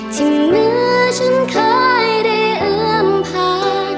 ที่เหมือฉันเคยได้เอิมผ่าน